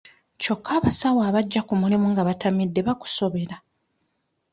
Kyokka abasawo abajja ku mulimu nga batamidde bakusobera.